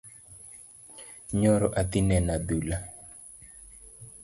Nyoro adhi neno adhula.